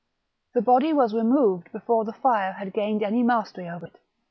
The body was removed before the fire had gained any mastery over it.